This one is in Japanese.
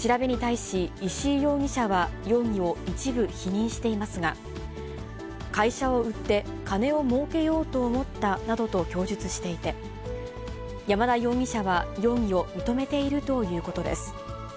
調べに対し、石井容疑者は容疑を一部否認していますが、会社を売って金をもうけようと思ったなどと供述していて、山田容疑者は容疑を認めているということです。